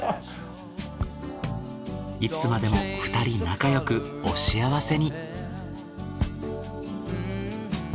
いつまでも２人仲よくお幸せに。